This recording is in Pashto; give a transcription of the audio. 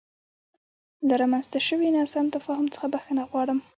له رامنځته شوې ناسم تفاهم څخه بخښنه غواړم.